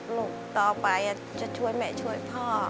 ลูกต่อไปจะช่วยแม่ช่วยพ่อ